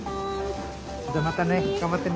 じゃまたね。頑張ってね。